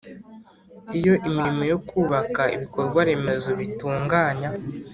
Iyo imirimo yo kubaka ibikorwaremezo bitunganya